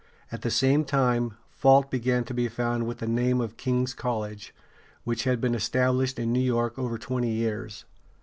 At the same time, fault began to be found with the name of King's College, which had been established in New York over twenty years.